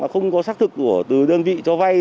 không có xác thực từ đơn vị cho vay